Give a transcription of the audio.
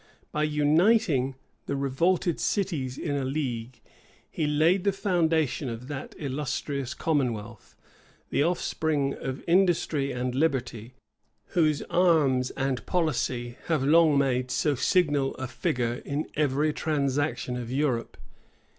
By uniting the revolted cities in a league, he laid the foundation of that illustrious commonwealth, the offspring of industry and liberty, whose arms and policy have long made so signal a figure in every transaction of Europe.